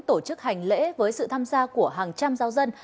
tổ chức hành lễ với sự tham gia của hàng trăm giáo dân